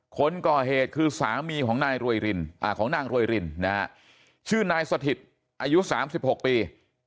คนก่อเหตุคือสามีของนางโรยรินอ่าของนางโรยรินนะฮะชื่อนายสถิตอายุสามสิบหกปี